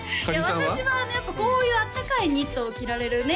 私はやっぱこういうあったかいニットを着られるね